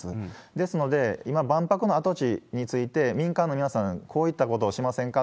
ですので、今、万博の跡地について、民間の皆さん、こういったことをしませんか？